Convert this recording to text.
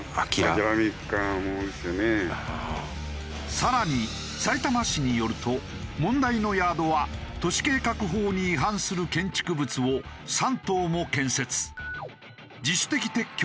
更にさいたま市によると問題のヤードは都市計画法に違反する建築物を３棟も建設。